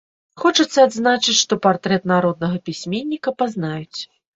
Хочацца адзначыць, што партрэт народнага пісьменніка пазнаюць.